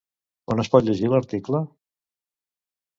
On es pot llegir l'article?